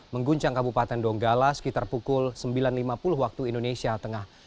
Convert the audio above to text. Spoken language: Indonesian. mengguncang kabupaten donggala sekitar pukul sembilan lima puluh waktu indonesia tengah